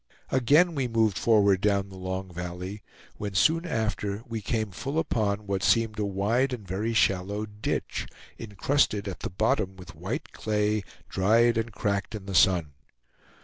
Again we moved forward down the long valley, when soon after we came full upon what seemed a wide and very shallow ditch, incrusted at the bottom with white clay, dried and cracked in the sun.